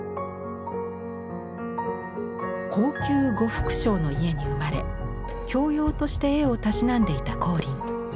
高級呉服商の家に生まれ教養として絵をたしなんでいた光琳。